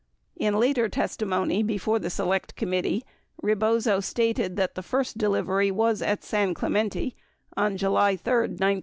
26 In later testimony before the Select Committee, Rebozo stated that the first de livery was at San Clemente on July 3, 1970.